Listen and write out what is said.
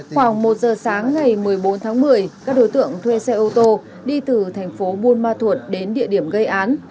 khoảng một giờ sáng ngày một mươi bốn tháng một mươi các đối tượng thuê xe ô tô đi từ thành phố buôn ma thuột đến địa điểm gây án